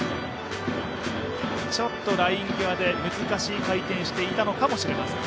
ちょっとライン際で難しい回転をしていたのかもしれません。